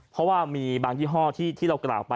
เพราะว่ามีบางยี่ห้อที่เรากล่าวไป